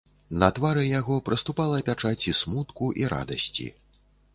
На твары яго праступала пячаць і смутку і радасці.